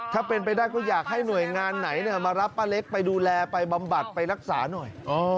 ถ้าเป็นไปได้ก็อยากให้หน่วยงานไหนมารับป้าเล็กไปดูแลไปบำบัดไปรักษาหน่อย